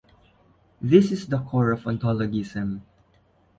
This is the core of Ontologism.